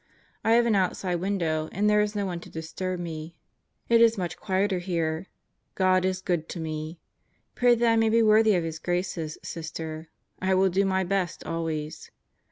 I have an outside window, and there is no one to disturb me. It is much quieter here. God is good to me. Pray that I be worthy of His graces, Sister. I will do my best always.